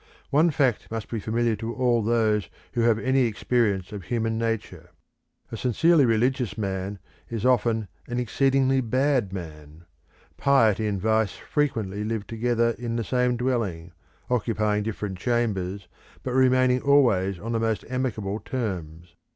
One fact must be familiar to all those who have any experience of human nature a sincerely religious man is often an exceedingly bad man. Piety and vice frequently live together in the same dwelling, occupying different chambers, but remaining always on the most amicable terms.